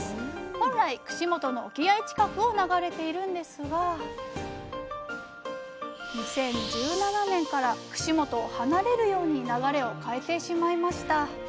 本来串本の沖合近くを流れているんですが２０１７年から串本を離れるように流れを変えてしまいました。